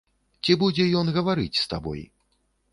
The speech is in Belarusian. Ці будзе ён гаварыць з табой?